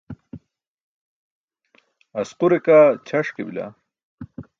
Asqure kaa ćʰaṣ ke bila.